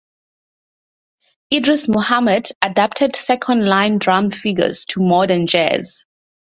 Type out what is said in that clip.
Idris Muhammad adapted second line drum figures to modern jazz.